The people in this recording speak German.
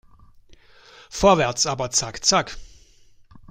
Vorwärts, aber zack zack!